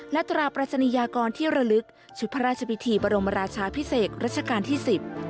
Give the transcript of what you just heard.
และตราปรัชนียากรที่ระลึกชุดพระราชพิธีบรมราชาพิเศษรัชกาลที่สิบ